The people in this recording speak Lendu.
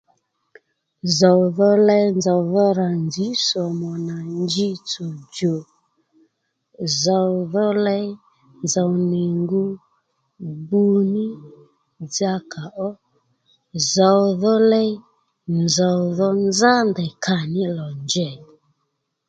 Zòw dho ley nzòw dho rà nzǐ sòmò nà njitsòdjò zòw dho ley nzòw nì ngu gbu ní dzakà ó zòw dho ley nzòw dho nzá ndèy kâ ní lò njèy